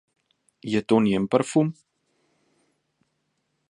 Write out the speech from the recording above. Je to njen parfum?